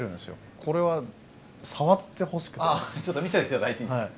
あちょっと見せていただいていいですか？